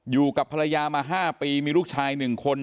อยู่กับภรรยามา๕ปีมีลูกชาย๑คน